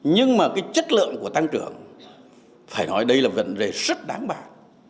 nhưng mà cái chất lượng của tăng trưởng phải nói đây là vấn đề rất đáng bản